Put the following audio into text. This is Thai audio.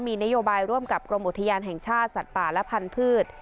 มีนโยบายร่วมกับกรมอุทยานแห่งชาติสัตว์ป่าและพันธุ์